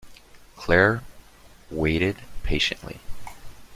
Claire waited patiently.